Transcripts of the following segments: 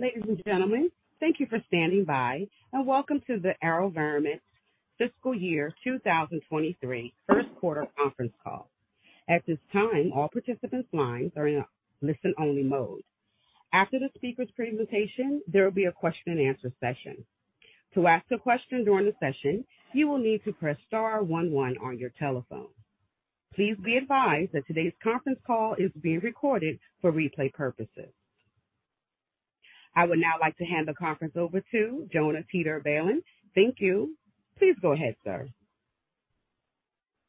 Ladies and gentlemen, thank you for standing by, and welcome to the AeroVironment fiscal year 2023 first quarter conference call. At this time, all participants' lines are in listen-only mode. After the speaker's presentation, there will be a question-and-answer session. To ask a question during the session, you will need to press star one one on your telephone. Please be advised that today's conference call is being recorded for replay purposes. I would now like to hand the conference over to Jonah Teeter-Balin. Thank you. Please go ahead, sir.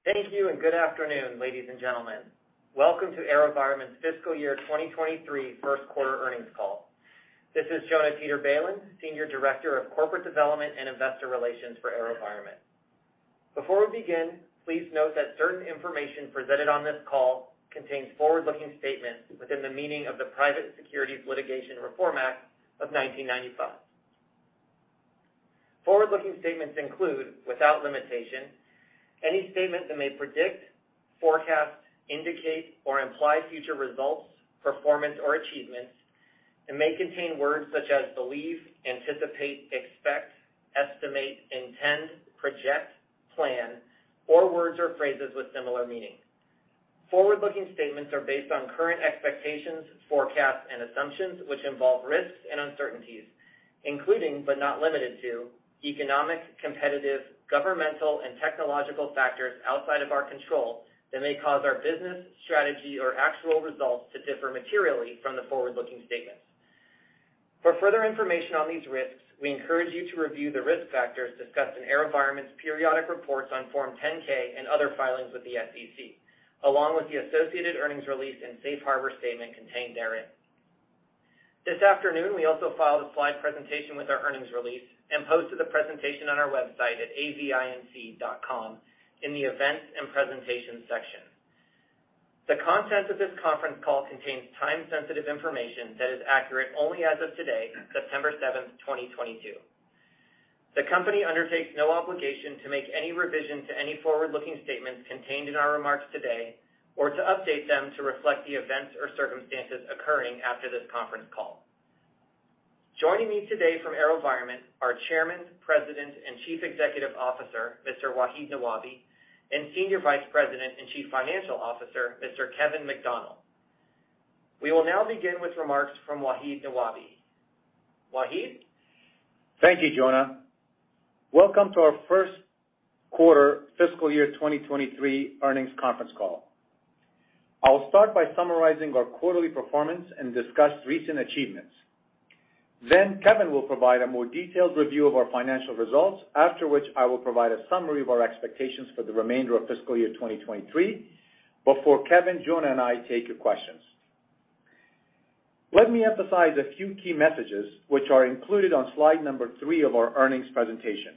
Thank you and good afternoon, ladies and gentlemen. Welcome to AeroVironment's Fiscal Year 2023 first quarter earnings call. This is Jonah Teeter-Balin, Senior Director of Corporate Development and Investor Relations for AeroVironment. Before we begin, please note that certain information presented on this call contains forward-looking statements within the meaning of the Private Securities Litigation Reform Act of 1995. Forward-looking statements include, without limitation, any statement that may predict, forecast, indicate, or imply future results, performance, or achievements and may contain words such as believe, anticipate, expect, estimate, intend, project, plan, or words or phrases with similar meaning. Forward-looking statements are based on current expectations, forecasts, and assumptions, which involve risks and uncertainties, including but not limited to economic, competitive, governmental, and technological factors outside of our control that may cause our business strategy or actual results to differ materially from the forward-looking statements. For further information on these risks, we encourage you to review the risk factors discussed in AeroVironment's periodic reports on Form 10-K and other filings with the SEC, along with the associated earnings release and safe harbor statement contained therein. This afternoon, we also filed a slide presentation with our earnings release and posted the presentation on our website at avinc.com in the Events and Presentation section. The content of this conference call contains time-sensitive information that is accurate only as of today, September 7, 2022. The company undertakes no obligation to make any revision to any forward-looking statements contained in our remarks today or to update them to reflect the events or circumstances occurring after this conference call. Joining me today from AeroVironment are Chairman, President, and Chief Executive Officer, Mr. Wahid Nawabi, and Senior Vice President and Chief Financial Officer, Mr. Kevin McDonnell. We will now begin with remarks from Wahid Nawabi. Wahid. Thank you, Jonah. Welcome to our first quarter fiscal year 2023 earnings conference call. I'll start by summarizing our quarterly performance and discuss recent achievements. Then Kevin will provide a more detailed review of our financial results, after which I will provide a summary of our expectations for the remainder of fiscal year 2023 before Kevin, Jonah, and I take your questions. Let me emphasize a few key messages which are included on slide number three of our earnings presentation.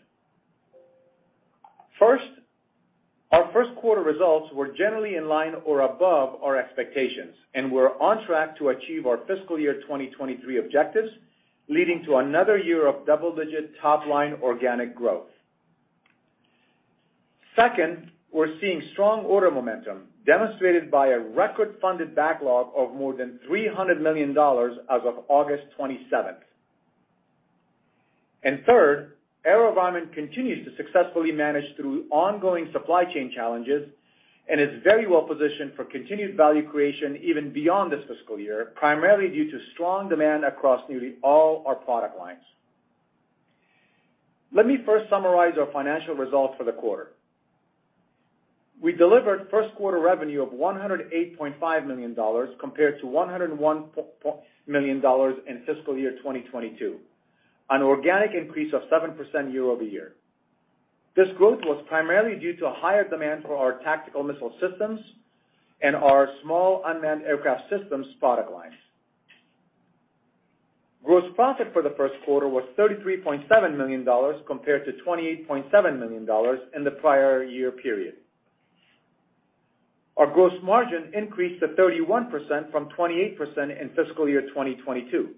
First, our first quarter results were generally in line or above our expectations, and we're on track to achieve our fiscal year 2023 objectives, leading to another year of double-digit top-line organic growth. Second, we're seeing strong order momentum demonstrated by a record-funded backlog of more than $300 million as of August 27th. Third, AeroVironment continues to successfully manage through ongoing supply chain challenges and is very well positioned for continued value creation even beyond this fiscal year, primarily due to strong demand across nearly all our product lines. Let me first summarize our financial results for the quarter. We delivered first quarter revenue of $108.5 million compared to $101 million in fiscal year 2022, an organic increase of 7% year-over-year. This growth was primarily due to a higher demand for our tactical missile systems and our small unmanned aircraft systems product lines. Gross profit for the first quarter was $33.7 million compared to $28.7 million in the prior year period. Our gross margin increased to 31% from 28% in fiscal year 2022.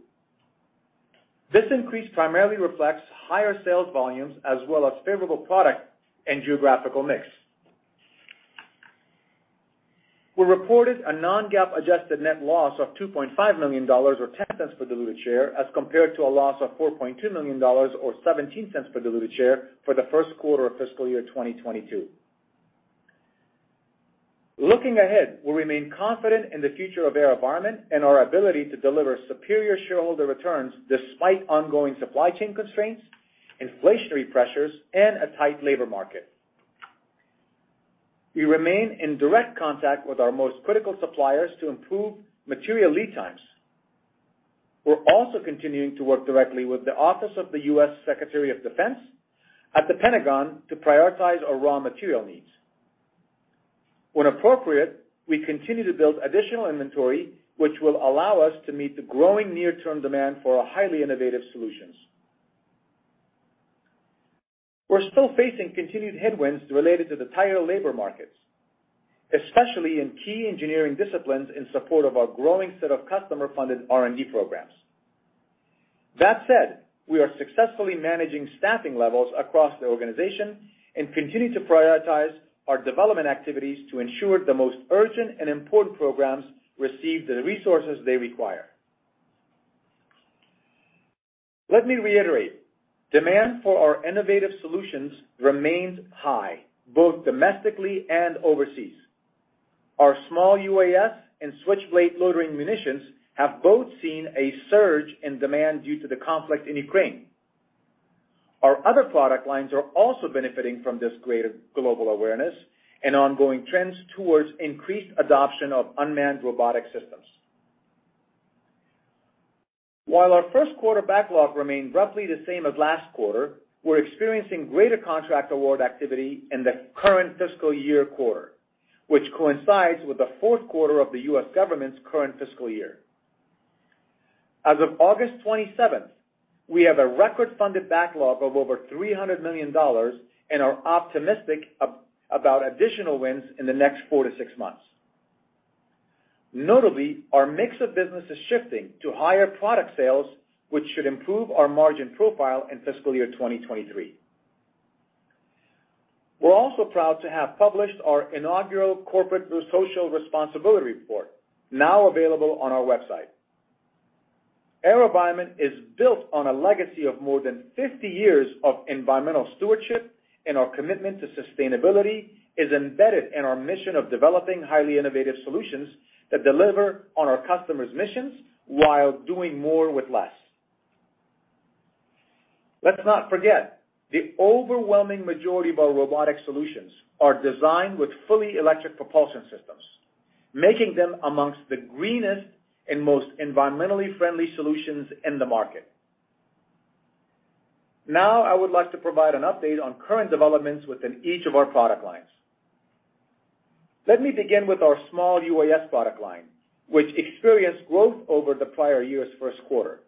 This increase primarily reflects higher sales volumes as well as favorable product and geographical mix. We reported a non-GAAP adjusted net loss of $2.5 million or $0.10 per diluted share as compared to a loss of $4.2 million or $0.17 per diluted share for the first quarter of fiscal year 2022. Looking ahead, we remain confident in the future of AeroVironment and our ability to deliver superior shareholder returns despite ongoing supply chain constraints, inflationary pressures, and a tight labor market. We remain in direct contact with our most critical suppliers to improve material lead times. We're also continuing to work directly with the Office of the Under Secretary of Defense for Acquisition and Sustainment at the Pentagon to prioritize our raw material needs. When appropriate, we continue to build additional inventory, which will allow us to meet the growing near-term demand for our highly innovative solutions. We're still facing continued headwinds related to the tighter labor markets, especially in key engineering disciplines in support of our growing set of customer-funded R&D programs. That said, we are successfully managing staffing levels across the organization and continue to prioritize our development activities to ensure the most urgent and important programs receive the resources they require. Let me reiterate, demand for our innovative solutions remains high, both domestically and overseas. Our small UAS and Switchblade loitering munitions have both seen a surge in demand due to the conflict in Ukraine. Our other product lines are also benefiting from this greater global awareness and ongoing trends towards increased adoption of unmanned robotic systems. While our first quarter backlog remained roughly the same as last quarter, we're experiencing greater contract award activity in the current fiscal year quarter, which coincides with the fourth quarter of the U.S. government's current fiscal year. As of August 27, we have a record-funded backlog of over $300 million and are optimistic about additional wins in the next four to six months. Notably, our mix of business is shifting to higher product sales, which should improve our margin profile in fiscal year 2023. We're also proud to have published our inaugural corporate social responsibility report, now available on our website. AeroVironment is built on a legacy of more than 50 years of environmental stewardship, and our commitment to sustainability is embedded in our mission of developing highly innovative solutions that deliver on our customers' missions while doing more with less. Let's not forget, the overwhelming majority of our robotic solutions are designed with fully electric propulsion systems, making them among the greenest and most environmentally friendly solutions in the market. Now, I would like to provide an update on current developments within each of our product lines. Let me begin with our small UAS product line, which experienced growth over the prior year's first quarter.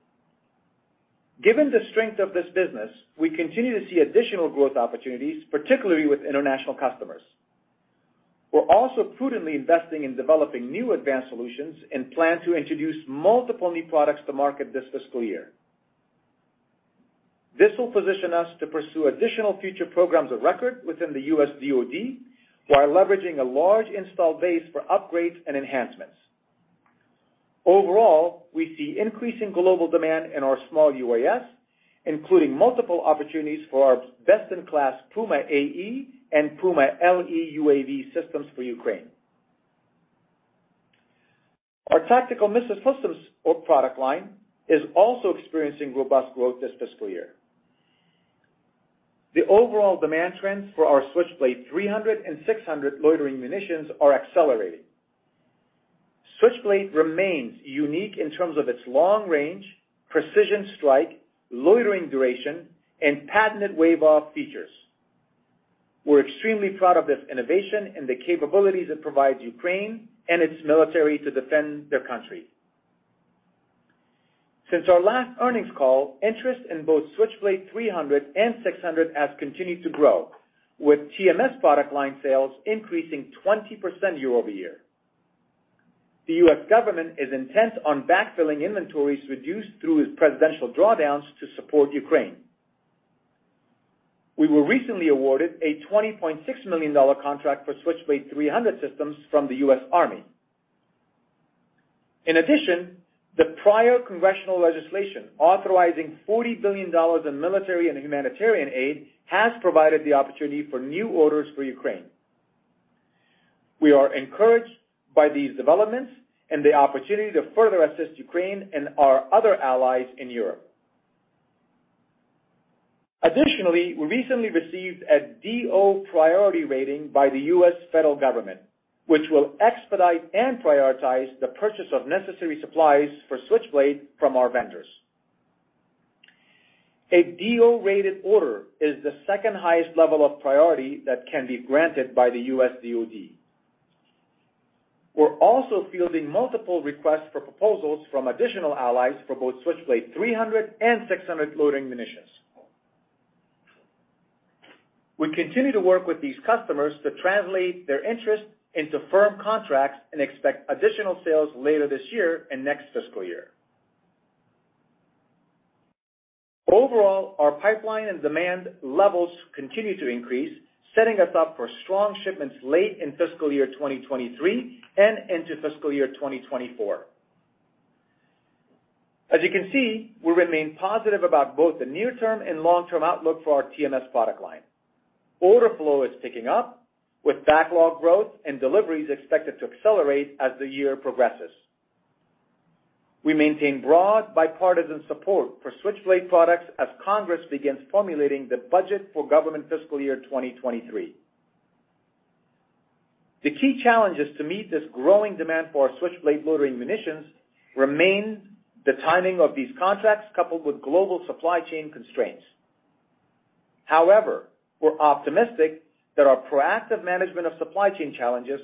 Given the strength of this business, we continue to see additional growth opportunities, particularly with international customers. We're also prudently investing in developing new advanced solutions and plan to introduce multiple new products to market this fiscal year. This will position us to pursue additional future programs of record within the U.S. DoD while leveraging a large installed base for upgrades and enhancements. Overall, we see increasing global demand in our small UAS, including multiple opportunities for our best-in-class Puma AE and Puma LE UAV systems for Ukraine. Our TMS product line is also experiencing robust growth this fiscal year. The overall demand trends for our Switchblade 300 and 600 loitering munitions are accelerating. Switchblade remains unique in terms of its long range, precision strike, loitering duration, and patented wave-off features. We're extremely proud of this innovation and the capabilities it provides Ukraine and its military to defend their country. Since our last earnings call, interest in both Switchblade 300 and 600 has continued to grow, with TMS product line sales increasing 20% year-over-year. The U.S. government is intent on backfilling inventories reduced through its presidential drawdowns to support Ukraine. We were recently awarded a $20.6 million contract for Switchblade 300 systems from the U.S. Army. In addition, the prior congressional legislation authorizing $40 billion in military and humanitarian aid has provided the opportunity for new orders for Ukraine. We are encouraged by these developments and the opportunity to further assist Ukraine and our other allies in Europe. Additionally, we recently received a DO priority rating by the U.S. federal government, which will expedite and prioritize the purchase of necessary supplies for Switchblade from our vendors. A DO-rated order is the second-highest level of priority that can be granted by the U.S. DoD. We're also fielding multiple requests for proposals from additional allies for both Switchblade 300 and 600 loitering munitions. We continue to work with these customers to translate their interests into firm contracts and expect additional sales later this year and next fiscal year. Overall, our pipeline and demand levels continue to increase, setting us up for strong shipments late in fiscal year 2023 and into fiscal year 2024. As you can see, we remain positive about both the near-term and long-term outlook for our TMS product line. Order flow is picking up, with backlog growth and deliveries expected to accelerate as the year progresses. We maintain broad bipartisan support for Switchblade products as Congress begins formulating the budget for government fiscal year 2023. The key challenge is to meet this growing demand for our Switchblade loitering munitions remains the timing of these contracts coupled with global supply chain constraints. However, we're optimistic that our proactive management of supply chain challenges,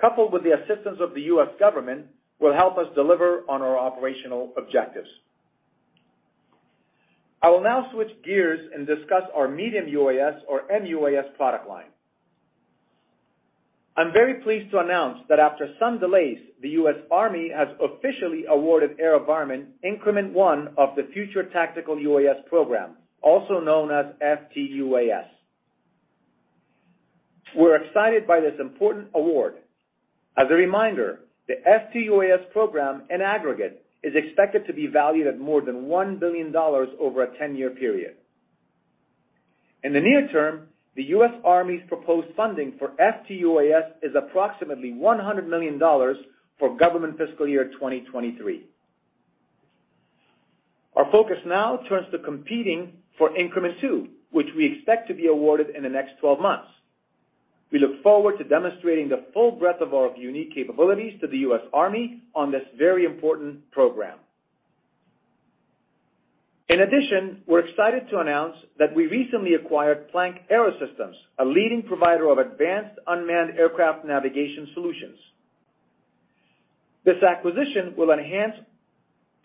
coupled with the assistance of the U.S. government, will help us deliver on our operational objectives. I will now switch gears and discuss our medium UAS or MUAS product line. I'm very pleased to announce that after some delays, the U.S. Army has officially awarded AeroVironment increment one of the Future Tactical UAS program, also known as FTUAS. We're excited by this important award. As a reminder, the FTUAS program in aggregate is expected to be valued at more than $1 billion over a 10-year period. In the near term, the U.S. Army's proposed funding for FTUAS is approximately $100 million for government fiscal year 2023. Our focus now turns to competing for increment two, which we expect to be awarded in the next 12 months. We look forward to demonstrating the full breadth of our unique capabilities to the U.S. Army on this very important program. In addition, we're excited to announce that we recently acquired Planck Aerosystems, a leading provider of advanced unmanned aircraft navigation solutions. This acquisition will enhance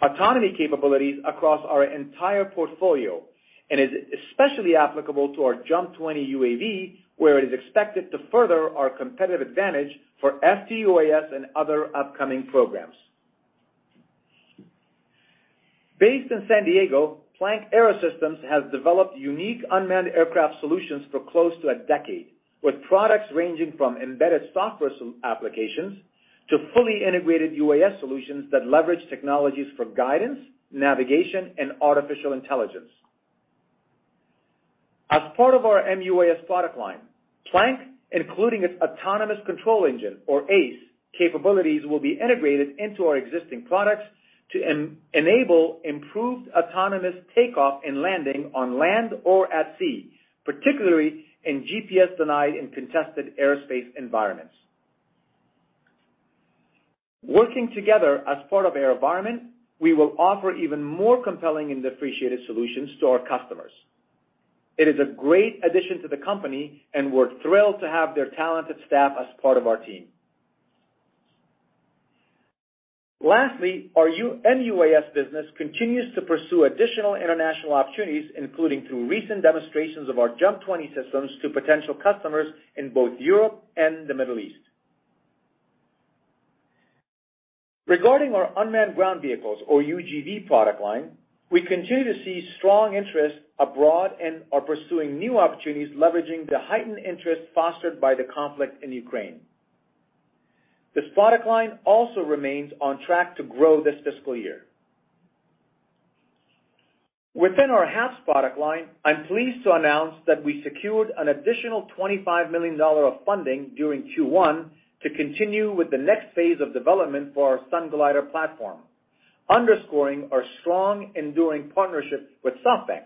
autonomy capabilities across our entire portfolio and is especially applicable to our JUMP 20 UAV, where it is expected to further our competitive advantage for FTUAS and other upcoming programs. Based in San Diego, Planck Aerosystems has developed unique unmanned aircraft solutions for close to a decade, with products ranging from embedded software applications to fully integrated UAS solutions that leverage technologies for guidance, navigation, and artificial intelligence. As part of our MUAS product line, Planck, including its autonomous control engine or ACE capabilities, will be integrated into our existing products to enable improved autonomous takeoff and landing on land or at sea, particularly in GPS-denied and contested aerospace environments. Working together as part of AeroVironment, we will offer even more compelling and differentiated solutions to our customers. It is a great addition to the company, and we're thrilled to have their talented staff as part of our team. Lastly, our MUAS business continues to pursue additional international opportunities, including through recent demonstrations of our JUMP 20 systems to potential customers in both Europe and the Middle East. Regarding our unmanned ground vehicles or UGV product line, we continue to see strong interest abroad and are pursuing new opportunities leveraging the heightened interest fostered by the conflict in Ukraine. This product line also remains on track to grow this fiscal year. Within our HAPS product line, I'm pleased to announce that we secured an additional $25 million of funding during Q1 to continue with the next phase of development for our Sunglider platform, underscoring our strong, enduring partnership with SoftBank.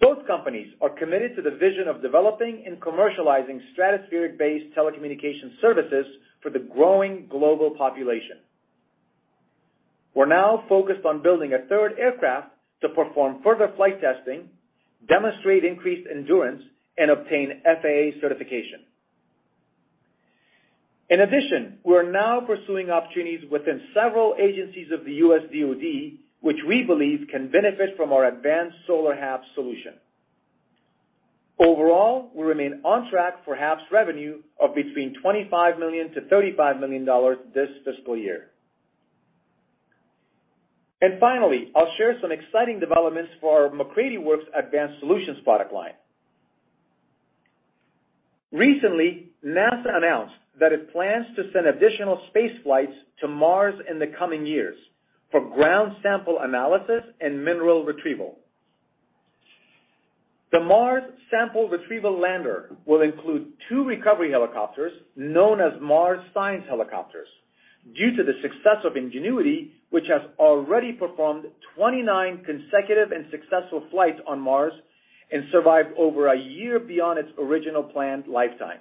Both companies are committed to the vision of developing and commercializing stratospheric-based telecommunication services for the growing global population. We're now focused on building a third aircraft to perform further flight testing, demonstrate increased endurance, and obtain FAA certification. In addition, we're now pursuing opportunities within several agencies of the U.S. DoD, which we believe can benefit from our advanced solar HAPS solution. Overall, we remain on track for HAPS revenue of between $25 million-$35 million this fiscal year. Finally, I'll share some exciting developments for our MacCready Works Advanced Solutions product line. Recently, NASA announced that it plans to send additional space flights to Mars in the coming years for ground sample analysis and mineral retrieval. The Sample Retrieval Lander will include two recovery helicopters known as Sample Recovery Helicopters. Due to the success of Ingenuity, which has already performed 29 consecutive and successful flights on Mars and survived over a year beyond its original planned lifetime.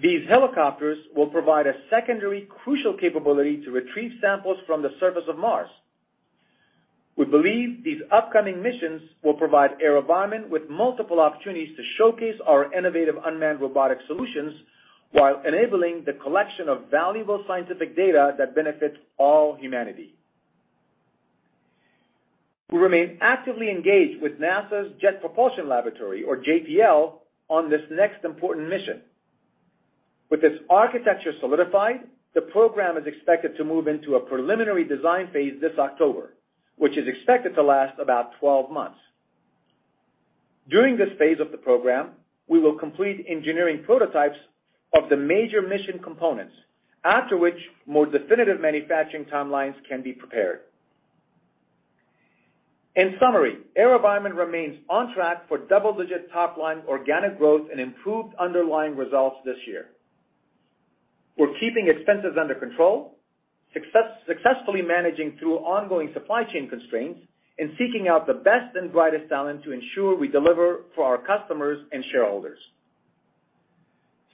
These helicopters will provide a secondary crucial capability to retrieve samples from the surface of Mars. We believe these upcoming missions will provide AeroVironment with multiple opportunities to showcase our innovative unmanned robotic solutions while enabling the collection of valuable scientific data that benefits all humanity. We remain actively engaged with NASA's Jet Propulsion Laboratory, or JPL, on this next important mission. With its architecture solidified, the program is expected to move into a preliminary design phase this October, which is expected to last about 12 months. During this phase of the program, we will complete engineering prototypes of the major mission components, after which more definitive manufacturing timelines can be prepared. In summary, AeroVironment remains on track for double-digit top-line organic growth and improved underlying results this year. We're keeping expenses under control, successfully managing through ongoing supply chain constraints, and seeking out the best and brightest talent to ensure we deliver for our customers and shareholders.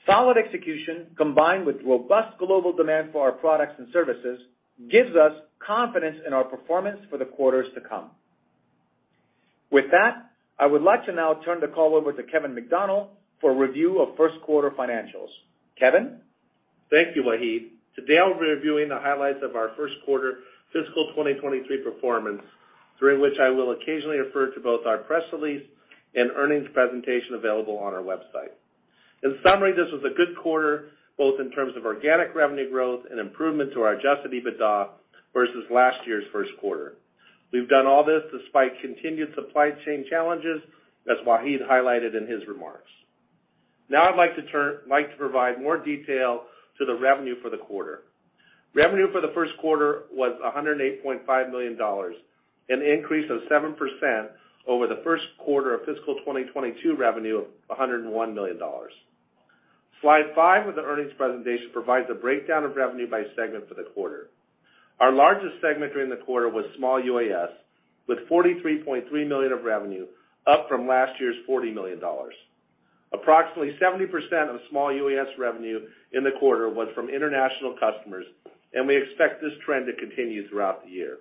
Solid execution, combined with robust global demand for our products and services, gives us confidence in our performance for the quarters to come. With that, I would like to now turn the call over to Kevin McDonnell for a review of first quarter financials. Kevin? Thank you, Wahid. Today, I'll be reviewing the highlights of our first quarter fiscal 2023 performance, during which I will occasionally refer to both our press release and earnings presentation available on our website. In summary, this was a good quarter, both in terms of organic revenue growth and improvement to our adjusted EBITDA versus last year's first quarter. We've done all this despite continued supply chain challenges, as Wahid highlighted in his remarks. Now I'd like to provide more detail to the revenue for the quarter. Revenue for the first quarter was $108.5 million, an increase of 7% over the first quarter of fiscal 2022 revenue of $101 million. Slide five of the earnings presentation provides a breakdown of revenue by segment for the quarter. Our largest segment during the quarter was small UAS, with $43.3 million of revenue, up from last year's $40 million. Approximately 70% of small UAS revenue in the quarter was from international customers, and we expect this trend to continue throughout the year.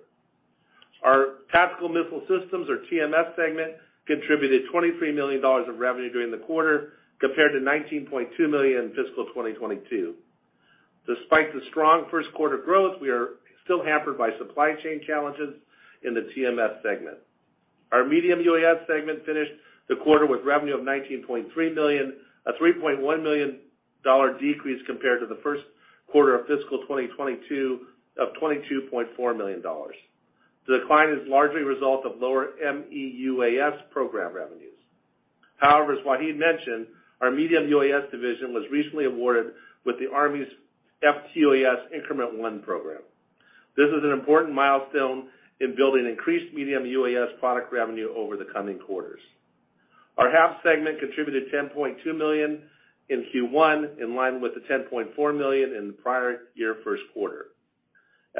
Our Tactical Missile Systems, or TMS segment, contributed $23 million of revenue during the quarter compared to $19.2 million in fiscal 2022. Despite the strong first quarter growth, we are still hampered by supply chain challenges in the TMS segment. Our medium UAS segment finished the quarter with revenue of $19.3 million, a $3.1 million decrease compared to the first quarter of fiscal 2022 of $22.4 million. The decline is largely a result of lower MEUAS program revenues. However, as Wahid mentioned, our medium UAS division was recently awarded with the Army's FTUAS Increment One program. This is an important milestone in building increased medium UAS product revenue over the coming quarters. Our HAPS segment contributed $10.2 million in Q1, in line with the $10.4 million in the prior year first quarter.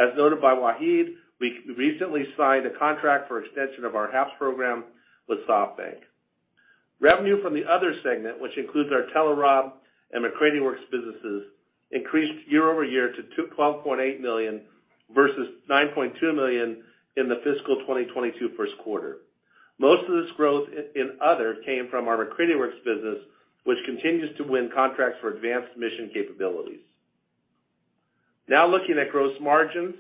As noted by Wahid, we recently signed a contract for extension of our HAPS program with SoftBank. Revenue from the other segment, which includes our Telerob and MacCready Works businesses, increased year over year to $12.8 million versus $9.2 million in the fiscal 2022 first quarter. Most of this growth in other came from our MacCready Works business, which continues to win contracts for advanced mission capabilities. Now looking at gross margins.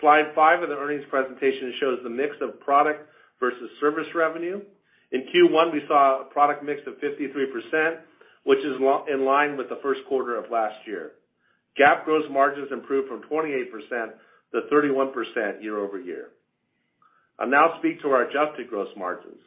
Slide five of the earnings presentation shows the mix of product versus service revenue. In Q1, we saw a product mix of 53%, which is in line with the first quarter of last year. GAAP gross margins improved from 28% to 31% year-over-year. I'll now speak to our adjusted gross margins.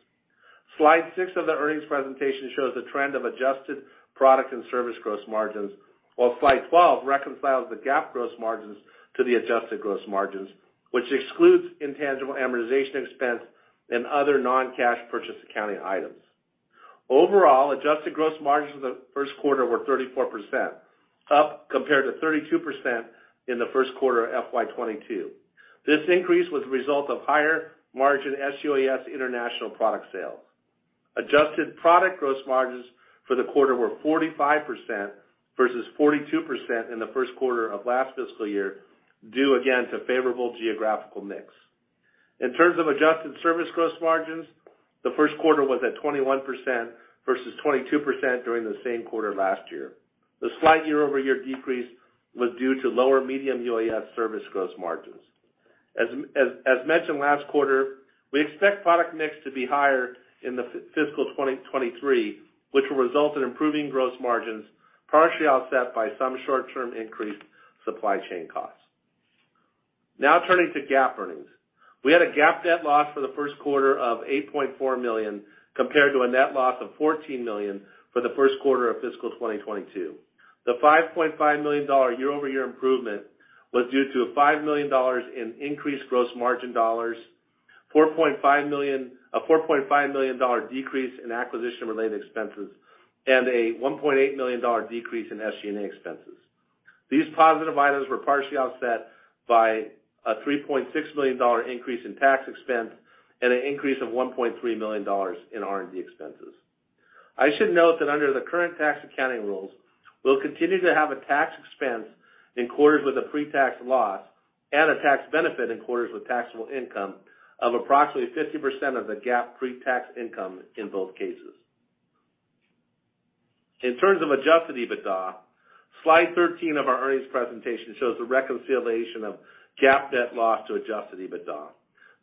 Slide six of the earnings presentation shows the trend of adjusted product and service gross margins, while slide 12 reconciles the GAAP gross margins to the adjusted gross margins, which excludes intangible amortization expense and other non-cash purchase accounting items. Overall, adjusted gross margins for the first quarter were 34%, up compared to 32% in the first quarter of FY 2022. This increase was a result of higher margin SUAS international product sales. Adjusted product gross margins for the quarter were 45% versus 42% in the first quarter of last fiscal year, due again to favorable geographical mix. In terms of adjusted service gross margins, the first quarter was at 21% versus 22% during the same quarter last year. The slight year-over-year decrease was due to lower medium UAS service gross margins. As mentioned last quarter, we expect product mix to be higher in the fiscal 2023, which will result in improving gross margins, partially offset by some short-term increased supply chain costs. Now turning to GAAP earnings. We had a GAAP net loss for the first quarter of $8.4 million compared to a net loss of $14 million for the first quarter of fiscal 2022. The $5.5 million year-over-year improvement was due to $5 million in increased gross margin dollars, a $4.5 million decrease in acquisition-related expenses, and a $1.8 million decrease in SG&A expenses. These positive items were partially offset by a $3.6 million increase in tax expense and an increase of $1.3 million in R&D expenses. I should note that under the current tax accounting rules, we'll continue to have a tax expense in quarters with a pre-tax loss and a tax benefit in quarters with taxable income of approximately 50% of the GAAP pre-tax income in both cases. In terms of adjusted EBITDA, slide 13 of our earnings presentation shows the reconciliation of GAAP net loss to adjusted EBITDA.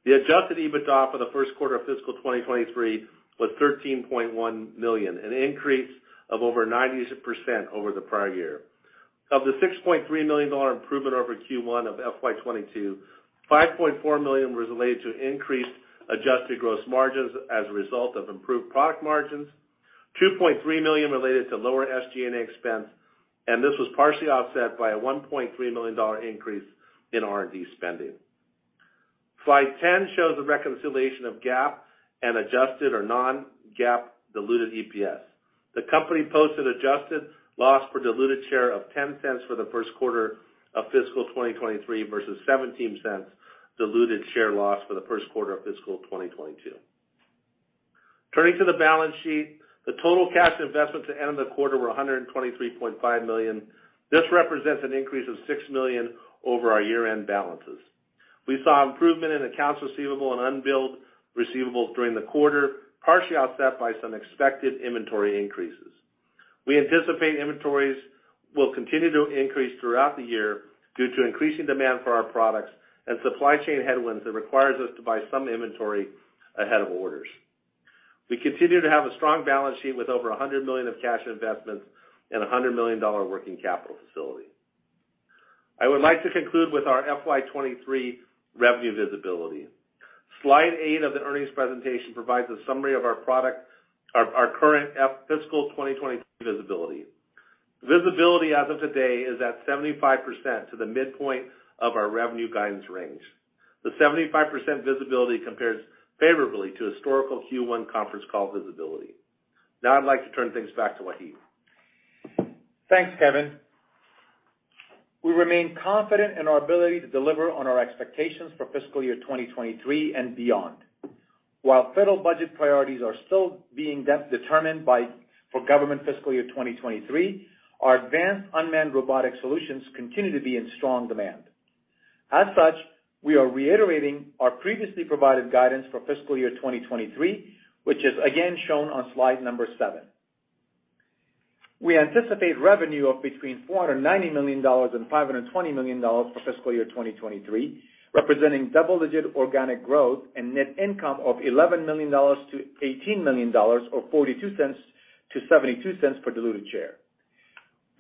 The adjusted EBITDA for the first quarter of fiscal 2023 was $13.1 million, an increase of over 90% over the prior year. Of the $6.3 million improvement over Q1 of FY 2022, $5.4 million was related to increased adjusted gross margins as a result of improved product margins, $2.3 million related to lower SG&A expense, and this was partially offset by a $1.3 million increase in R&D spending. Slide 10 shows the reconciliation of GAAP and adjusted or non-GAAP diluted EPS. The company posted adjusted loss per diluted share of $0.10 for the first quarter of fiscal 2023 versus $0.17 diluted share loss for the first quarter of fiscal 2022. Turning to the balance sheet, the total cash investments at end of the quarter were $123.5 million. This represents an increase of $6 million over our year-end balances. We saw improvement in accounts receivable and unbilled receivables during the quarter, partially offset by some expected inventory increases. We anticipate inventories will continue to increase throughout the year due to increasing demand for our products and supply chain headwinds that requires us to buy some inventory ahead of orders. We continue to have a strong balance sheet with over $100 million of cash investments and $100 million working capital facility. I would like to conclude with our FY 2023 revenue visibility. Slide eight of the earnings presentation provides a summary of our current fiscal 2022 visibility. Visibility as of today is at 75% to the midpoint of our revenue guidance range. The 75% visibility compares favorably to historical Q1 conference call visibility. Now I'd like to turn things back to Wahid. Thanks, Kevin. We remain confident in our ability to deliver on our expectations for fiscal year 2023 and beyond. While federal budget priorities are still being determined for government fiscal year 2023, our advanced unmanned robotic solutions continue to be in strong demand. As such, we are reiterating our previously provided guidance for fiscal year 2023, which is again shown on slide seven. We anticipate revenue of between $490 million-$520 million for fiscal year 2023, representing double-digit organic growth and net income of $11 million-$18 million or $0.42-$0.72 per diluted share.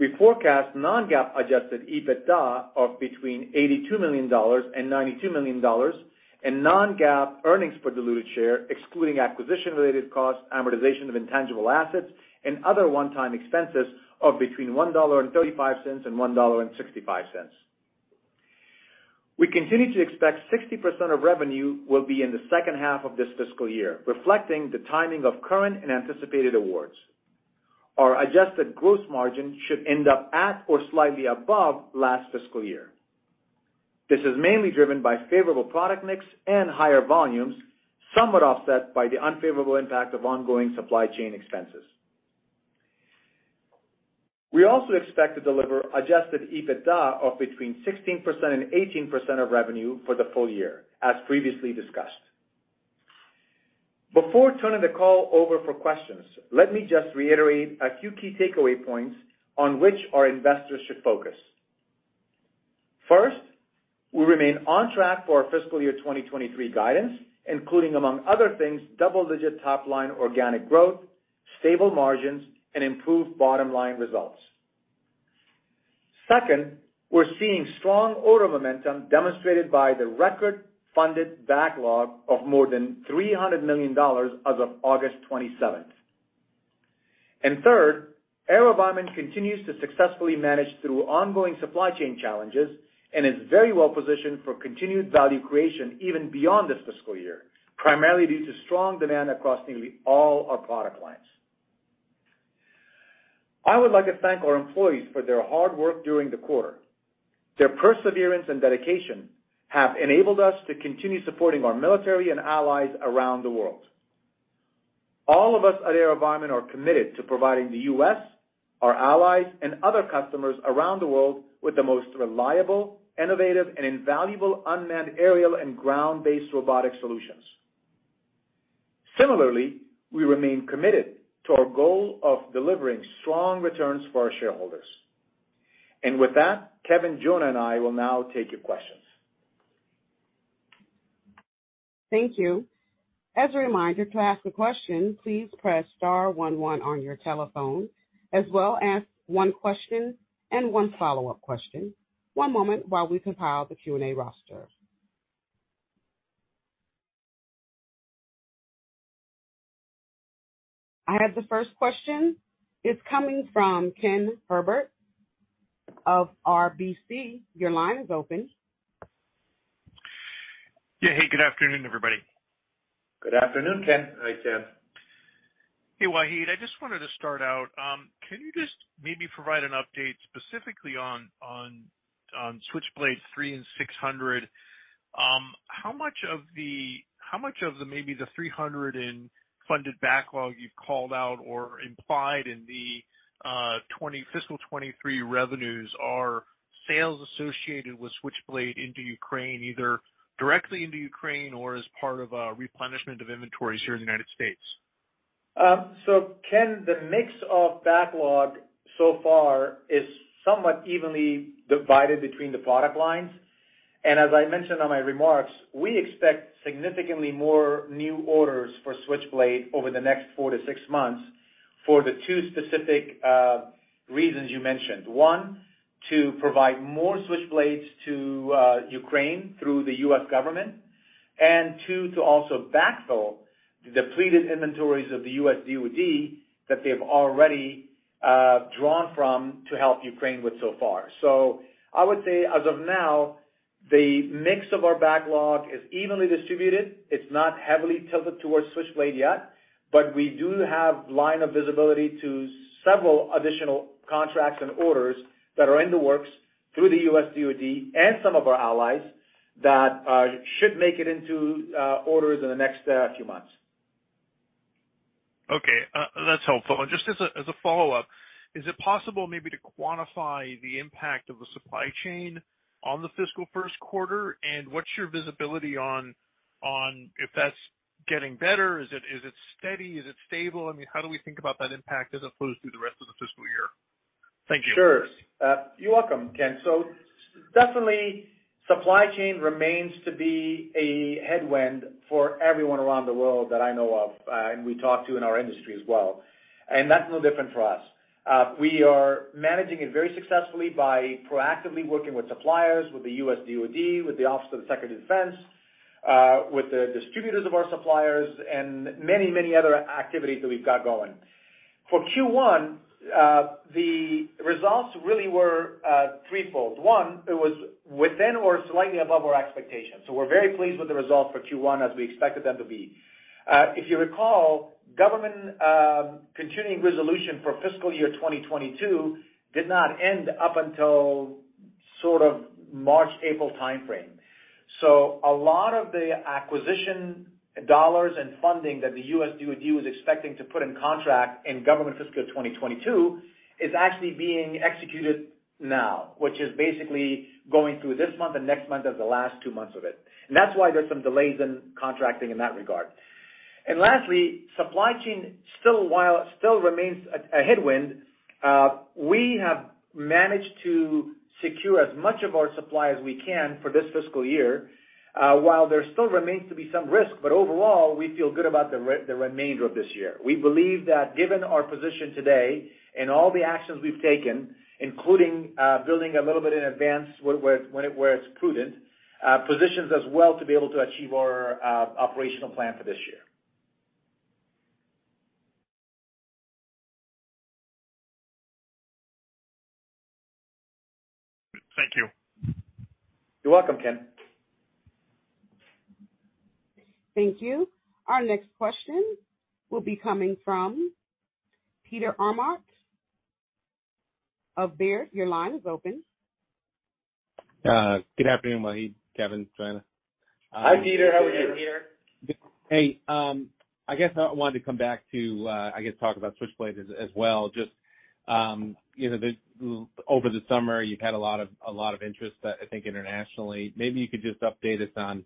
We forecast non-GAAP adjusted EBITDA of between $82 million and $92 million, and non-GAAP earnings per diluted share, excluding acquisition-related costs, amortization of intangible assets, and other one-time expenses of between $1.35 and $1.65. We continue to expect 60% of revenue will be in the second half of this fiscal year, reflecting the timing of current and anticipated awards. Our adjusted gross margin should end up at or slightly above last fiscal year. This is mainly driven by favorable product mix and higher volumes, somewhat offset by the unfavorable impact of ongoing supply chain expenses. We also expect to deliver adjusted EBITDA of between 16% and 18% of revenue for the full year, as previously discussed. Before turning the call over for questions, let me just reiterate a few key takeaway points on which our investors should focus. First, we remain on track for our fiscal year 2023 guidance, including among other things, double-digit top-line organic growth, stable margins, and improved bottom-line results. Second, we're seeing strong order momentum demonstrated by the record-funded backlog of more than $300 million as of August 27. Third, AeroVironment continues to successfully manage through ongoing supply chain challenges and is very well positioned for continued value creation even beyond this fiscal year, primarily due to strong demand across nearly all our product lines. I would like to thank our employees for their hard work during the quarter. Their perseverance and dedication have enabled us to continue supporting our military and allies around the world. All of us at AeroVironment are committed to providing the U.S., our allies, and other customers around the world with the most reliable, innovative, and invaluable unmanned aerial and ground-based robotic solutions. Similarly, we remain committed to our goal of delivering strong returns for our shareholders. With that, Kevin, Jonah, and I will now take your questions. Thank you. As a reminder, to ask a question, please press star one one on your telephone, as well as one question and one follow-up question. One moment while we compile the Q&A roster. I have the first question. It's coming from Ken Herbert of RBC. Your line is open. Yeah. Hey, good afternoon, everybody. Good afternoon, Ken. Hi, Ken. Hey, Wahid. I just wanted to start out, can you just maybe provide an update specifically on Switchblade 300 and 600? How much of the maybe the 300 in funded backlog you've called out or implied in the fiscal 2023 revenues are sales associated with Switchblade into Ukraine, either directly into Ukraine or as part of a replenishment of inventories here in the United States? Ken, the mix of backlog so far is somewhat evenly divided between the product lines. As I mentioned on my remarks, we expect significantly more new orders for Switchblade over the next four to six months for the two specific reasons you mentioned. One, to provide more Switchblades to Ukraine through the U.S. government. And two, to also backfill the depleted inventories of the U.S. DoD that they've already drawn from to help Ukraine with so far. I would say as of now, the mix of our backlog is evenly distributed. It's not heavily tilted towards Switchblade yet. We do have line of visibility to several additional contracts and orders that are in the works through the U.S. DoD and some of our allies that should make it into orders in the next few months. Okay. That's helpful. Just as a follow-up, is it possible maybe to quantify the impact of the supply chain on the fiscal first quarter? What's your visibility on if that's getting better? Is it steady? Is it stable? I mean, how do we think about that impact as it flows through the rest of the fiscal year? Thank you. Sure. You're welcome, Ken. Definitely, supply chain remains to be a headwind for everyone around the world that I know of, and we talk to in our industry as well, and that's no different for us. We are managing it very successfully by proactively working with suppliers, with the U.S. DoD, with the Office of the Secretary of Defense, with the distributors of our suppliers and many, many other activities that we've got going. For Q1, the results really were, threefold. One, it was within or slightly above our expectations. We're very pleased with the results for Q1 as we expected them to be. If you recall, government continuing resolution for fiscal year 2022 did not end up until sort of March, April timeframe. A lot of the acquisition dollars and funding that the U.S. DoD was expecting to put in contract in government fiscal 2022 is actually being executed now, which is basically going through this month and next month as the last two months of it. That's why there's some delays in contracting in that regard. Lastly, supply chain still remains a headwind. We have managed to secure as much of our supply as we can for this fiscal year, while there still remains to be some risk. Overall, we feel good about the remainder of this year. We believe that given our position today and all the actions we've taken, including building a little bit in advance where it's prudent, positions us well to be able to achieve our operational plan for this year. Thank you. You're welcome, Ken. Thank you. Our next question will be coming from Peter Arment of Baird. Your line is open. Good afternoon, Wahid, Kevin, Jonah. Hi, Peter. How are you? Good afternoon, Peter. Hey, I guess I wanted to come back to, I guess, talk about Switchblade as well. Just, you know, over the summer, you've had a lot of interest, I think internationally. Maybe you could just update us on,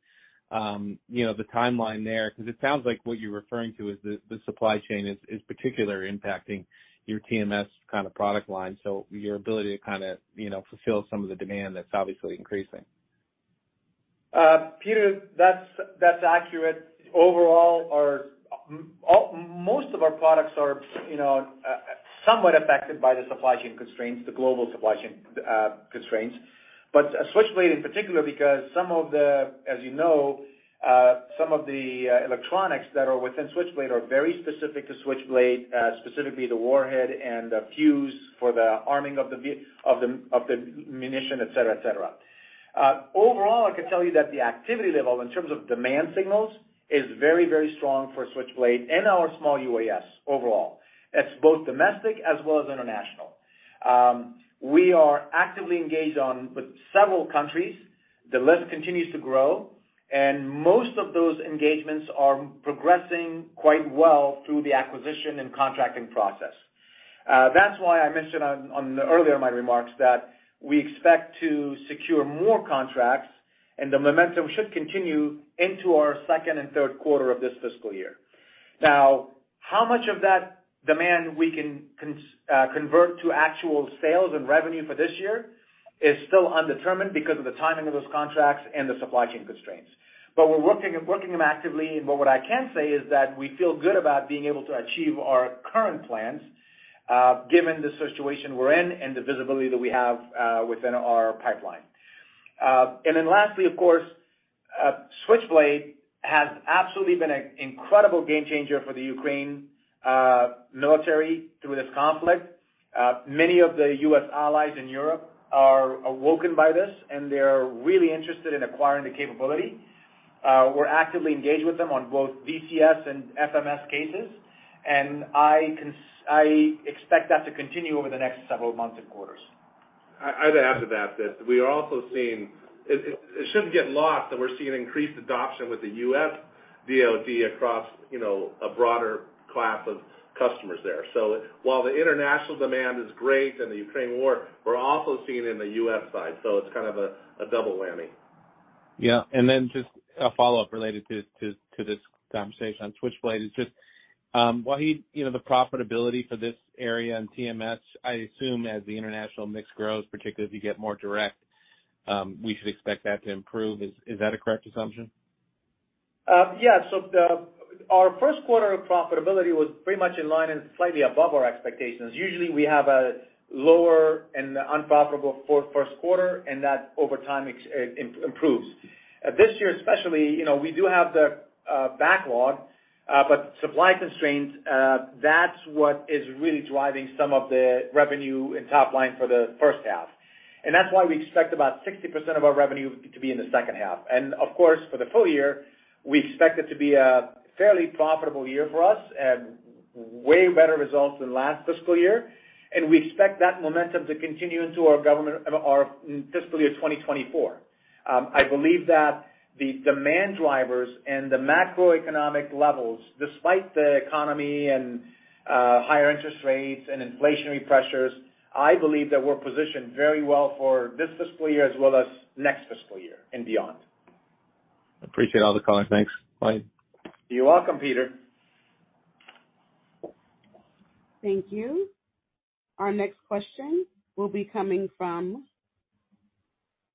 you know, the timeline there, because it sounds like what you're referring to is the supply chain is particularly impacting your TMS kinda product line. Your ability to kinda, you know, fulfill some of the demand that's obviously increasing. Peter, that's accurate. Overall, most of our products are, you know, somewhat affected by the supply chain constraints, the global supply chain constraints. Switchblade in particular, because some of the, as you know, some of the electronics that are within Switchblade are very specific to Switchblade, specifically the warhead and the fuse for the arming of the munition, et cetera, et cetera. Overall, I can tell you that the activity level in terms of demand signals is very, very strong for Switchblade and our small UAS overall. It's both domestic as well as international. We are actively engaged on with several countries. The list continues to grow, and most of those engagements are progressing quite well through the acquisition and contracting process. That's why I mentioned in my earlier remarks that we expect to secure more contracts, and the momentum should continue into our second and third quarter of this fiscal year. Now, how much of that demand we can convert to actual sales and revenue for this year is still undetermined because of the timing of those contracts and the supply chain constraints. We're working them actively. What I can say is that we feel good about being able to achieve our current plans, given the situation we're in and the visibility that we have within our pipeline. Lastly, of course, Switchblade has absolutely been an incredible game changer for the Ukrainian military through this conflict. Many of the U.S. allies in Europe are awoken by this, and they're really interested in acquiring the capability. We're actively engaged with them on both DCS and FMS cases, and I expect that to continue over the next several months and quarters. I'd add to that. It shouldn't get lost that we're seeing increased adoption with the U.S. DoD across, you know, a broader class of customers there. While the international demand is great in the Ukraine war, we're also seeing it in the U.S. side. It's kind of a double whammy. Just a follow-up related to this conversation on Switchblade. It's just, Wahid, you know, the profitability for this area in TMS. I assume as the international mix grows, particularly if you get more direct, we should expect that to improve. Is that a correct assumption? Our first quarter of profitability was pretty much in line and slightly above our expectations. Usually, we have a lower and unprofitable first quarter, and that over time improves. This year especially, you know, we do have the backlog, but supply constraints, that's what is really driving some of the revenue and top line for the first half. That's why we expect about 60% of our revenue to be in the second half. Of course, for the full year, we expect it to be a fairly profitable year for us and way better results than last fiscal year. We expect that momentum to continue into our fiscal year 2024. I believe that the demand drivers and the macroeconomic levels, despite the economy and higher interest rates and inflationary pressures, I believe that we're positioned very well for this fiscal year as well as next fiscal year and beyond. Appreciate all the color. Thanks. Bye. You're welcome, Peter. Thank you. Our next question will be coming from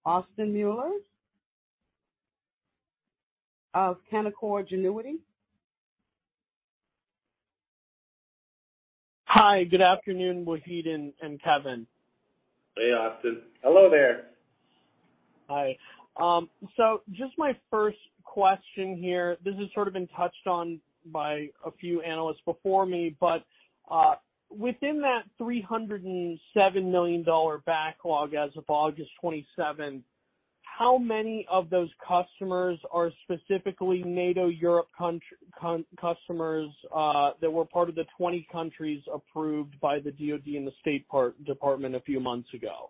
Austin Moeller of Canaccord Genuity. Hi. Good afternoon, Wahid and Kevin. Hey, Austin. Hello there. Hi. Just my first question here. This has sort of been touched on by a few analysts before me, but, within that $307 million backlog as of August 27, how many of those customers are specifically NATO Europe customers, that were part of the 20 countries approved by the DoD and the State Department a few months ago?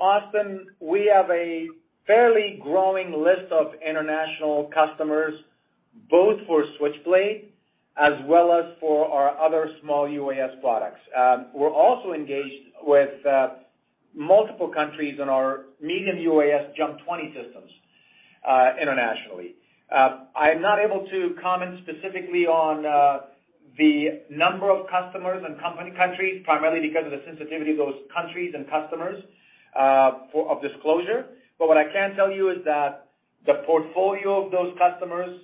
Austin, we have a fairly growing list of international customers, both for Switchblade as well as for our other small UAS products. We're also engaged with multiple countries in our medium UAS JUMP 20 systems, internationally. I'm not able to comment specifically on the number of customers and countries, primarily because of the sensitivity of those countries and customers, of disclosure. What I can tell you is that the portfolio of those customers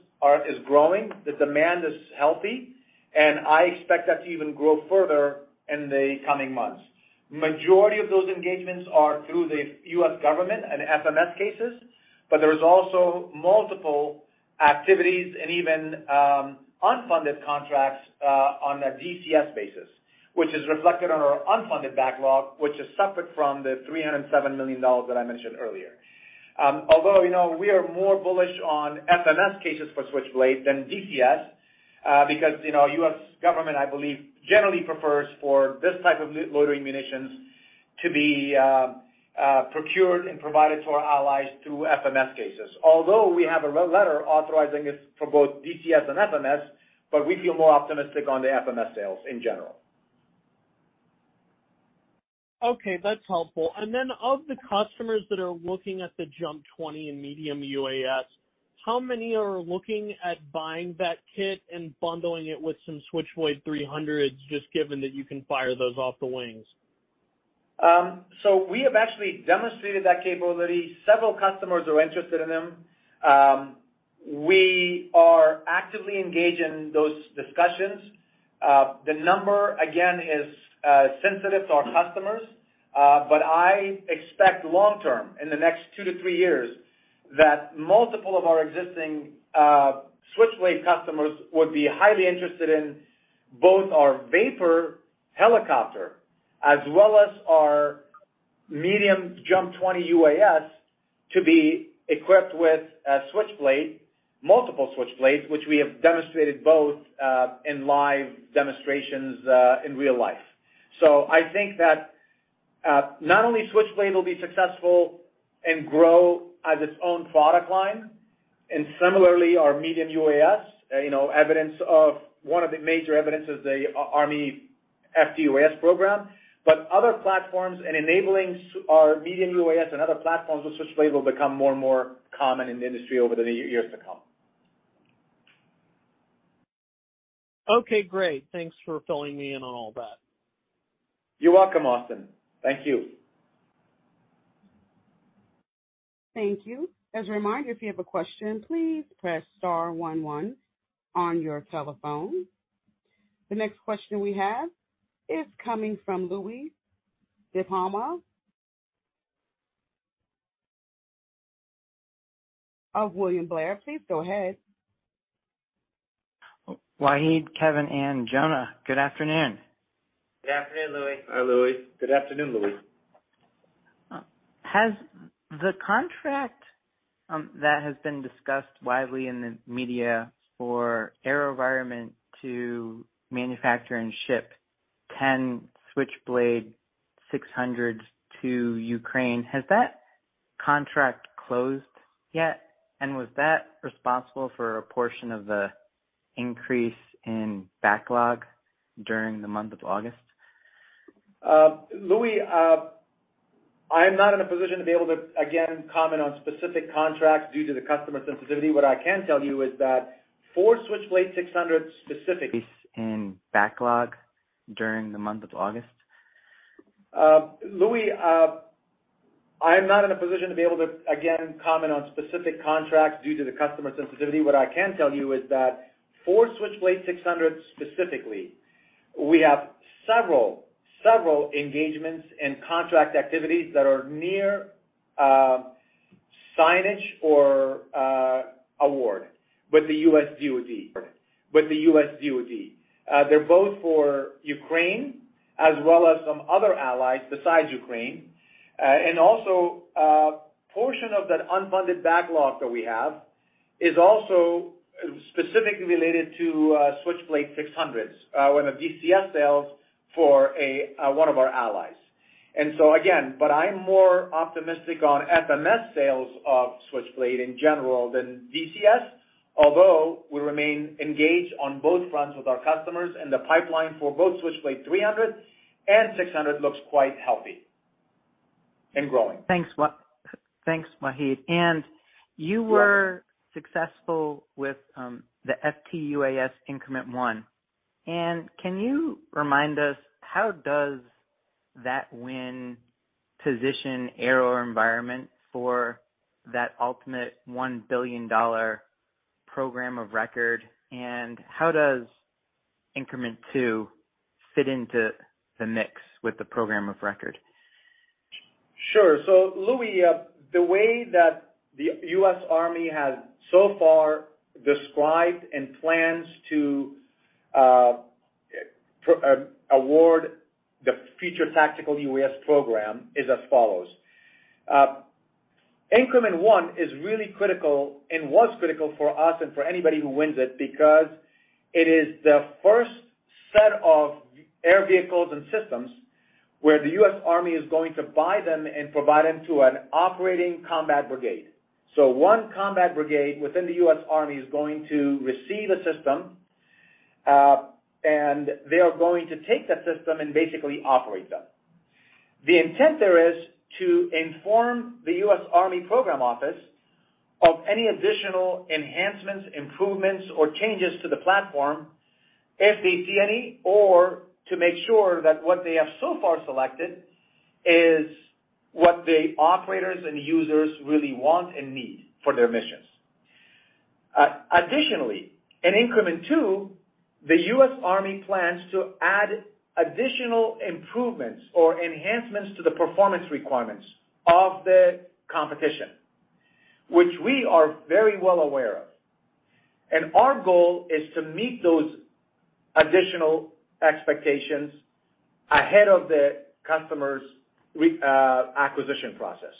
is growing, the demand is healthy, and I expect that to even grow further in the coming months. Majority of those engagements are through the U.S. government and FMS cases, but there is also multiple activities and even unfunded contracts on a DCS basis, which is reflected on our unfunded backlog, which is separate from the $307 million that I mentioned earlier. Although, you know, we are more bullish on FMS cases for Switchblade than DCS, because, you know, U.S. government, I believe, generally prefers for this type of loitering munitions to be procured and provided to our allies through FMS cases. Although we have a real letter authorizing it for both DCS and FMS, but we feel more optimistic on the FMS sales in general. Okay. That's helpful. Then of the customers that are looking at the JUMP 20 and medium UAS, how many are looking at buying that kit and bundling it with some Switchblade 300s, just given that you can fire those off the wings? We have actually demonstrated that capability. Several customers are interested in them. We are actively engaged in those discussions. The number, again, is sensitive to our customers, but I expect long-term, in the next two to three years, that multiple of our existing Switchblade customers would be highly interested in both our Vapor helicopter as well as our medium JUMP 20 UAS to be equipped with a Switchblade, multiple Switchblades, which we have demonstrated both in live demonstrations in real life. I think that not only Switchblade will be successful and grow as its own product line, and similarly, our medium UAS, you know, one of the major evidence is the Army FTUAS program, but other platforms and enablings are medium UAS and other platforms with Switchblade will become more and more common in the industry over the years to come. Okay, great. Thanks for filling me in on all that. You're welcome, Austin. Thank you. Thank you. As a reminder, if you have a question, please press star one one on your telephone. The next question we have is coming from Louie DiPalma of William Blair. Please go ahead. Wahid, Kevin, and Jonah, good afternoon. Good afternoon, Louie. Hi, Louie. Good afternoon, Louie. Has the contract that has been discussed widely in the media for AeroVironment to manufacture and ship 10 Switchblade 600 to Ukraine closed yet? Was that responsible for a portion of the increase in backlog during the month of August? Louie, I am not in a position to be able to, again, comment on specific contracts due to the customer sensitivity. What I can tell you is that for Switchblade 600 specifically. In backlog during the month of August. Louie, I am not in a position to be able to, again, comment on specific contracts due to the customer sensitivity. What I can tell you is that for Switchblade 600 specifically, we have several engagements and contract activities that are near signing or award with the U.S. DoD. They're both for Ukraine as well as some other allies besides Ukraine. Portion of that unfunded backlog that we have is also specifically related to Switchblade 600s with the DCS sales for one of our allies. I'm more optimistic on FMS sales of Switchblade in general than DCS, although we remain engaged on both fronts with our customers and the pipeline for both Switchblade 300 and 600 looks quite healthy and growing. Thanks, Wahid. Yes. Successful with the FTUAS Increment One. Can you remind us how does that win position AeroVironment for that ultimate $1 billion program of record, and how does Increment Two fit into the mix with the program of record? Sure. Louie, the way that the U.S. Army has so far described and plans to award the Future Tactical UAS program is as follows. Increment One is really critical and was critical for us and for anybody who wins it because it is the first set of air vehicles and systems where the U.S. Army is going to buy them and provide them to an operating combat brigade. One combat brigade within the U.S. Army is going to receive a system, and they are going to take that system and basically operate them. The intent there is to inform the U.S. Army program office of any additional enhancements, improvements, or changes to the platform if they see any, or to make sure that what they have so far selected is what the operators and users really want and need for their missions. Additionally, in Increment Two, the U.S. Army plans to add additional improvements or enhancements to the performance requirements of the competition, which we are very well aware of. Our goal is to meet those additional expectations ahead of the customer's acquisition process.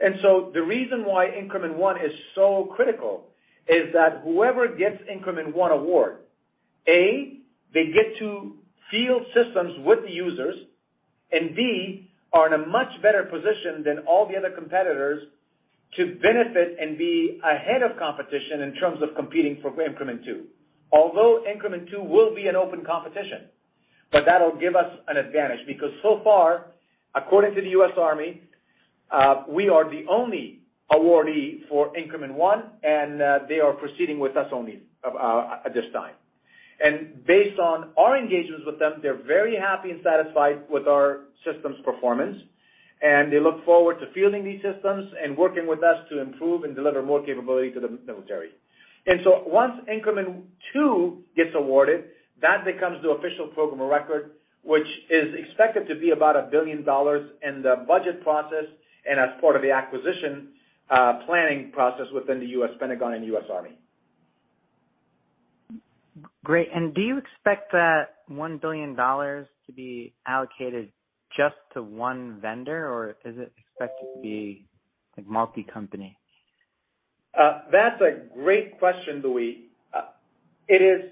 The reason why Increment One is so critical is that whoever gets Increment One award, A, they get to field systems with the users, and B, are in a much better position than all the other competitors to benefit and be ahead of competition in terms of competing for Increment Two. Although Increment Two will be an open competition, but that'll give us an advantage because so far, according to the U.S. Army, we are the only awardee for Increment One, and they are proceeding with us only of at this time. Based on our engagements with them, they're very happy and satisfied with our systems performance, and they look forward to fielding these systems and working with us to improve and deliver more capability to the military. Once Increment Two gets awarded, that becomes the official program of record, which is expected to be about $1 billion in the budget process and as part of the acquisition, planning process within the U.S. Pentagon and U.S. Army. Great. Do you expect that $1 billion to be allocated just to one vendor, or is it expected to be like multi-company? That's a great question, Louie. It is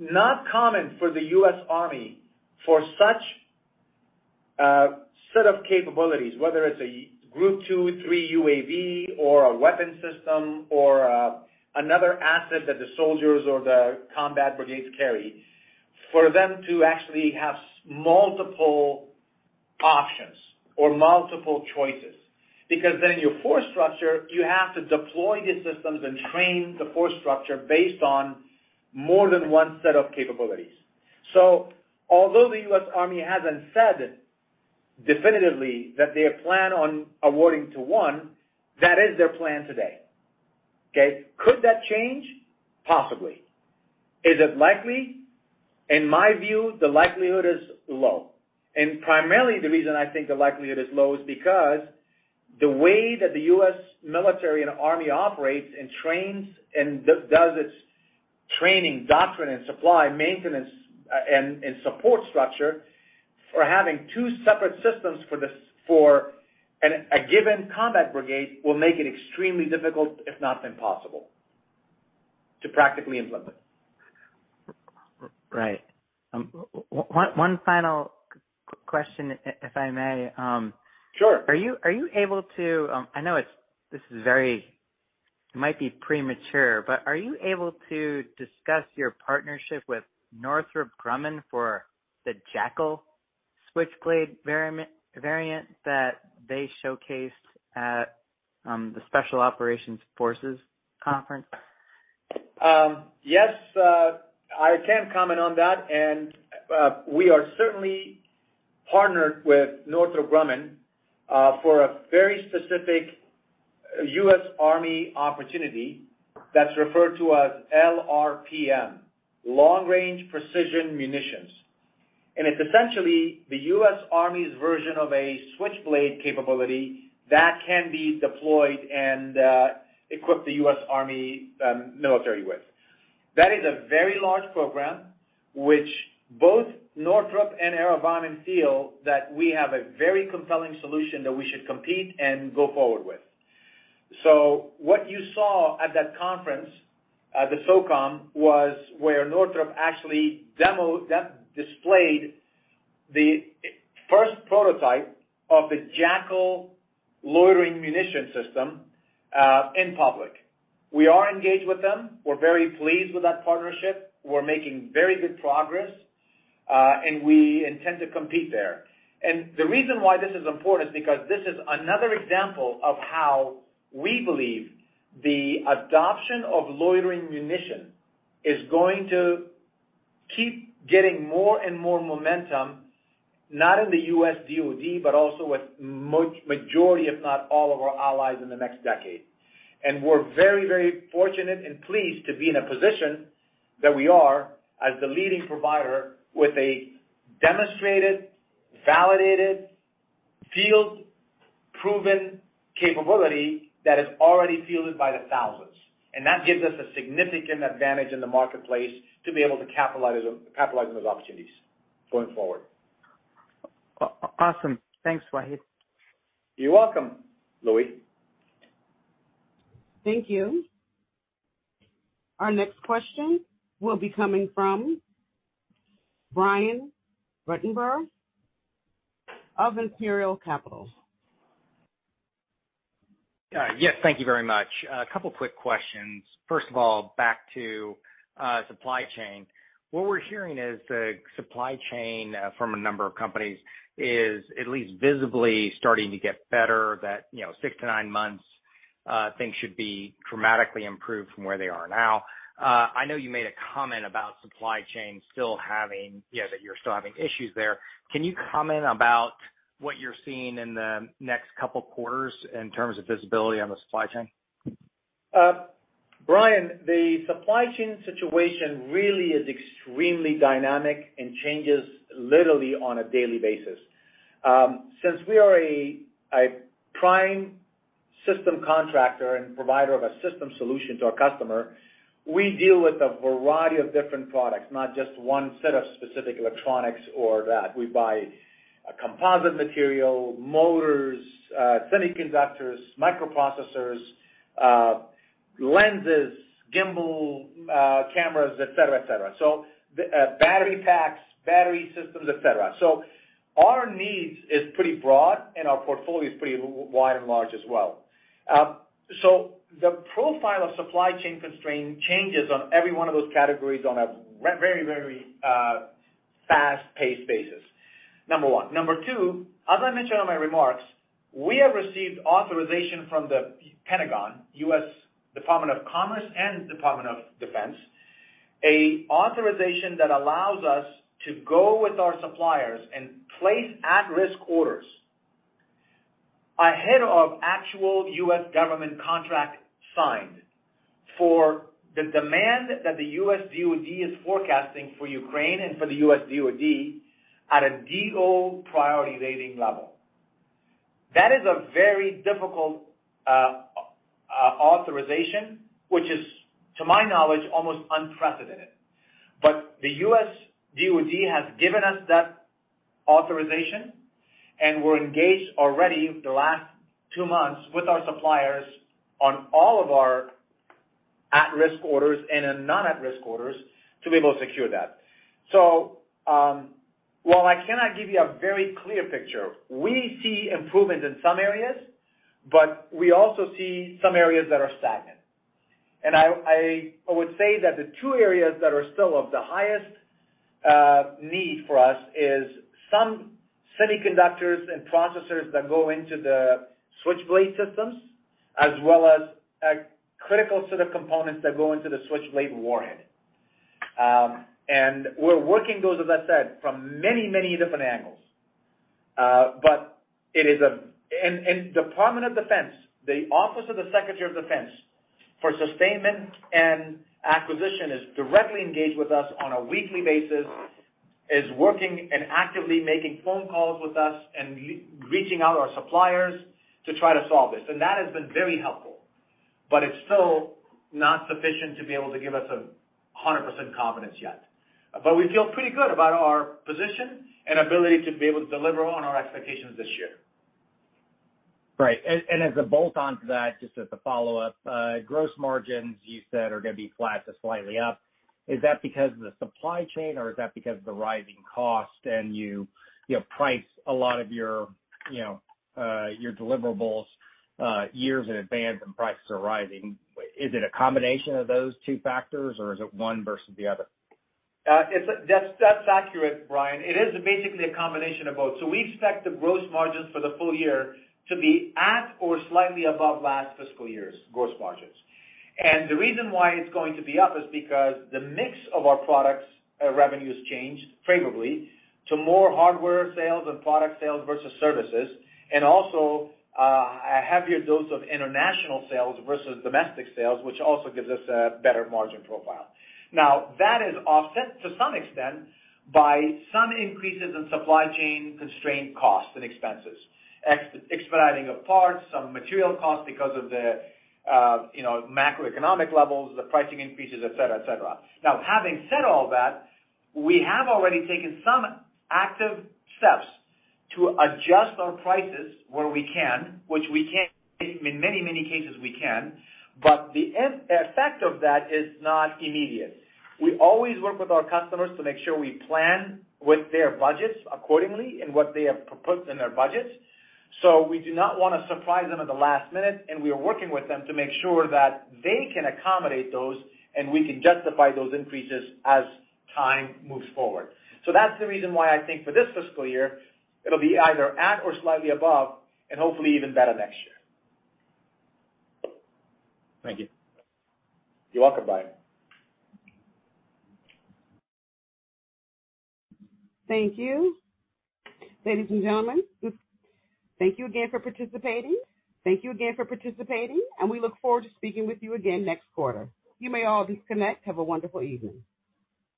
not common for the U.S. Army for such set of capabilities, whether it's a Group 2, 3 UAV or a weapon system or another asset that the soldiers or the combat brigades carry, for them to actually have multiple options or multiple choices. Because then your force structure, you have to deploy these systems and train the force structure based on more than one set of capabilities. Although the U.S. Army hasn't said definitively that they plan on awarding to one, that is their plan today, okay? Could that change? Possibly. Is it likely? In my view, the likelihood is low. Primarily the reason I think the likelihood is low is because the way that the U.S. military and Army operates and trains and does its training, doctrine, and supply, maintenance, and support structure for having two separate systems for this for a given combat brigade will make it extremely difficult, if not impossible, to practically implement. Right. One final question, if I may. Sure. Are you able to discuss your partnership with Northrop Grumman for the Jackal Switchblade variant that they showcased at the Special Operations Forces conference? Yes, I can comment on that. We are certainly partnered with Northrop Grumman for a very specific U.S. Army opportunity that's referred to as LRPM, Long Range Precision Munitions. It's essentially the U.S. Army's version of a Switchblade capability that can be deployed and equip the U.S. Army military with. That is a very large program. Which both Northrop and AeroVironment feel that we have a very compelling solution that we should compete and go forward with. What you saw at that conference, the SOFIC, was where Northrop actually displayed the first prototype of the Jackal loitering munition system in public. We are engaged with them. We're very pleased with that partnership. We're making very good progress, and we intend to compete there. The reason why this is important is because this is another example of how we believe the adoption of loitering munition is going to keep getting more and more momentum, not in the U.S. DoD, but also with much majority, if not all, of our allies in the next decade. We're very, very fortunate and pleased to be in a position that we are as the leading provider with a demonstrated, validated, field-proven capability that is already fielded by the thousands. That gives us a significant advantage in the marketplace to be able to capitalize on those opportunities going forward. Awesome. Thanks, Wahid. You're welcome, Louie. Thank you. Our next question will be coming from Brian Ruttenbur of Imperial Capital. Yes, thank you very much. A couple quick questions. First of all, back to supply chain. What we're hearing is the supply chain from a number of companies is at least visibly starting to get better that, you know, six to nine months, things should be dramatically improved from where they are now. I know you made a comment about supply chain still having that you're still having issues there. Can you comment about what you're seeing in the next couple quarters in terms of visibility on the supply chain? Brian, the supply chain situation really is extremely dynamic and changes literally on a daily basis. Since we are a prime system contractor and provider of a system solution to our customer, we deal with a variety of different products, not just one set of specific electronics or that. We buy a composite material, motors, semiconductors, microprocessors, lenses, gimbal, cameras, et cetera, et cetera. Battery packs, battery systems, et cetera. Our needs is pretty broad and our portfolio is pretty wide and large as well. So the profile of supply chain constraint changes on every one of those categories on a very, very fast-paced basis. Number one. Number two, as I mentioned on my remarks, we have received authorization from the Pentagon, U.S. Department of Commerce and U.S. Department of Defense, an authorization that allows us to go with our suppliers and place at-risk orders ahead of actual U.S. government contract signed for the demand that the U.S. DoD is forecasting for Ukraine and for the U.S. DoD at a DO priority rating level. That is a very difficult authorization, which is, to my knowledge, almost unprecedented. The U.S. DoD has given us that authorization, and we're engaged already the last two months with our suppliers on all of our at-risk orders and not at-risk orders to be able to secure that. While I cannot give you a very clear picture, we see improvement in some areas, but we also see some areas that are stagnant. I would say that the two areas that are still of the highest need for us is some semiconductors and processors that go into the Switchblade systems, as well as a critical sort of components that go into the Switchblade warhead. We're working those, as I said, from many, many different angles. But the Department of Defense, the Office of the Under Secretary of Defense for Acquisition and Sustainment is directly engaged with us on a weekly basis, is working and actively making phone calls with us and reaching out to our suppliers to try to solve this. That has been very helpful, but it's still not sufficient to be able to give us 100% confidence yet. We feel pretty good about our position and ability to be able to deliver on our expectations this year. Right. As a bolt on to that, just as a follow-up, gross margins, you said, are gonna be flat to slightly up. Is that because of the supply chain or is that because of the rising cost and you price a lot of your, you know, your deliverables, years in advance and prices are rising? Is it a combination of those two factors or is it one versus the other? That's accurate, Brian. It is basically a combination of both. We expect the gross margins for the full year to be at or slightly above last fiscal year's gross margins. The reason why it's going to be up is because the mix of our products revenues change favorably to more hardware sales and product sales versus services, and also a heavier dose of international sales versus domestic sales, which also gives us a better margin profile. Now, that is offset to some extent by some increases in supply chain constraint costs and expenses. Expediting of parts, some material costs because of the, you know, macroeconomic levels, the pricing increases, et cetera, et cetera. Now, having said all that, we have already taken some active steps to adjust our prices where we can. In many, many cases, we can, but the end effect of that is not immediate. We always work with our customers to make sure we plan with their budgets accordingly and what they have put in their budgets. We do not wanna surprise them at the last minute, and we are working with them to make sure that they can accommodate those, and we can justify those increases as time moves forward. That's the reason why I think for this fiscal year, it'll be either at or slightly above and hopefully even better next year. Thank you. You're welcome, Brian. Thank you. Ladies and gentlemen, thank you again for participating, and we look forward to speaking with you again next quarter. You may all disconnect. Have a wonderful evening.